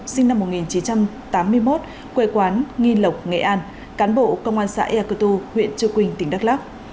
sinh năm một nghìn chín trăm tám mươi một quê quán nghi lộc nghệ an cán bộ công an xã eak tu huyện cư quyên tỉnh đắk lắk